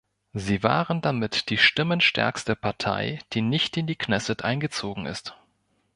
Sie waren damit die stimmenstärkste Partei, die nicht in die Knesset eingezogen ist.